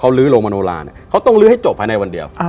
ลื้อโรงมโนราเนี่ยเขาต้องลื้อให้จบภายในวันเดียว